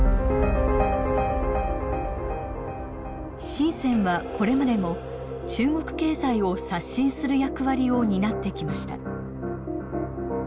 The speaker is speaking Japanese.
深はこれまでも中国経済を刷新する役割を担ってきました。